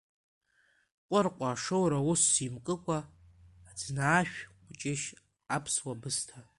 Кәыркәа ашоура усс имкыкәа, Аӡнаашә кәҷышь, аԥсуа бысҭа!